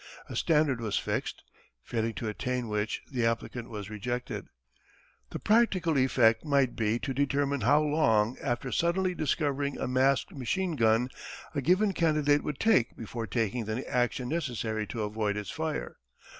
A standard was fixed, failing to attain which, the applicant was rejected. The practical effect might be to determine how long after suddenly discovering a masked machine gun a given candidate would take before taking the action necessary to avoid its fire.